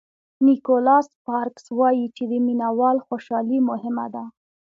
نیکولاس سپارکز وایي د مینه وال خوشالي مهمه ده.